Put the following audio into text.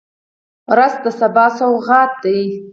رس د سبا سوغات دی